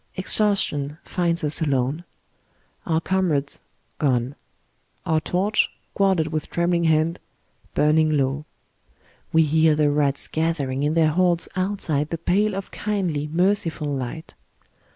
Exhaustion finds us alone. Our comrades gone. Our torch, guarded with trembling hand, burning low. We hear the rats gathering in their hordes outside the pale of Icindly, merciful light.